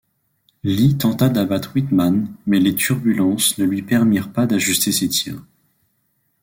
Lee tenta d'abattre Whitman mais les turbulences ne lui permirent pas d'ajuster ses tirs.